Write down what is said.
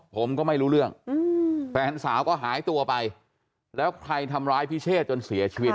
ผมก็ไม่รู้เรื่องแฟนสาวก็หายตัวไปแล้วใครทำร้ายพิเชษจนเสียชีวิต